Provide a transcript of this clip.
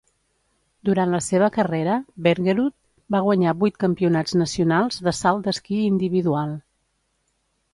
Durant la seva carrera, Bergerud va guanyar vuit campionats nacionals de salt d'esquí individual.